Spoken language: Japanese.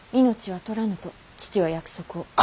命は取らぬと父は約束を。